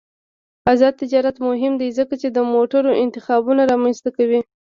آزاد تجارت مهم دی ځکه چې د موټرو انتخابونه رامنځته کوي.